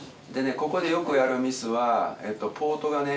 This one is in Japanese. ここでよくやるミスはえっとポートがね